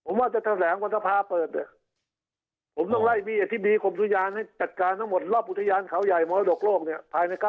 ผมว่าจะแถลงวันสภาเปิดเนี่ยผมต้องไล่บี้อธิบดีกรมสุยานให้จัดการทั้งหมดรอบอุทยานเขาใหญ่มรดกโลกเนี่ยภายใน๙